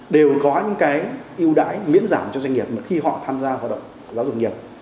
đều có những cái ưu đãi miễn giảm cho doanh nghiệp mà khi họ tham gia hoạt động giáo dục nghiệp